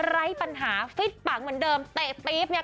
ไร้ปัญหาฟิตปังเหมือนเดิมเตะปี๊บเนี่ย